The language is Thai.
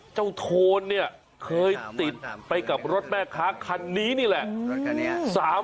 โทนเนี่ยเคยติดไปกับรถแม่ค้าคันนี้นี่แหละ